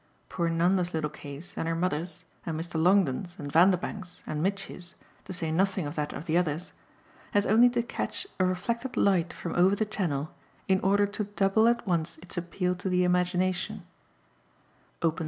Poor Nanda's little case, and her mother's, and Mr. Longdon's and Vanderbank's and Mitchy's, to say nothing of that of the others, has only to catch a reflected light from over the Channel in order to double at once its appeal to the imagination.